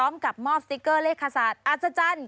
มอบสติ๊กเกอร์เลขศาสตร์อัศจรรย์